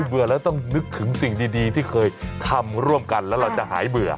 เบื่อแล้วต้องนึกถึงสิ่งดีที่เคยทำร่วมกันแล้วเราจะหายเบื่อ